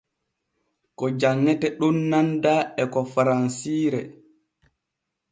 Ko janŋete ɗon nanda e ko faransire.